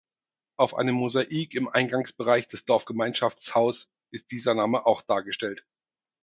Auf einem Mosaik im Eingangsbereich des Dorfgemeinschaftshaus ist dieser Name auch dargestellt.